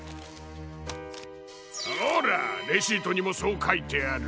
ほらレシートにもそうかいてある。